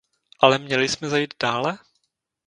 Ale měli jsme zajít dále?